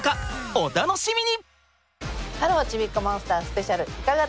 お楽しみに！